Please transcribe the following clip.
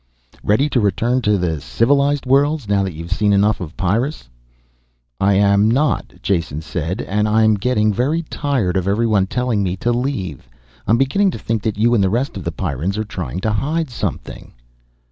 "Ready to return to the 'civilized' worlds, now that you've seen enough of Pyrrus?" "I am not," Jason said. "And I'm getting very tired of everyone telling me to leave. I'm beginning to think that you and the rest of the Pyrrans are trying to hide something."